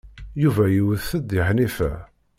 Yuba iwet-d deg Ḥnifa.